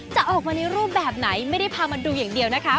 จะออกมาในรูปแบบไหนไม่ได้พามาดูอย่างเดียวนะคะ